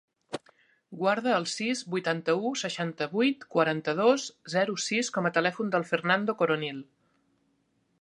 Guarda el sis, vuitanta-u, seixanta-vuit, quaranta-dos, zero, sis com a telèfon del Fernando Coronil.